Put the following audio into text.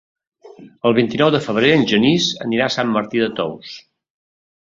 El vint-i-nou de febrer en Genís anirà a Sant Martí de Tous.